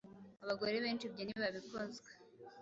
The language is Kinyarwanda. Abagore benshi ibyo ntibabikozwa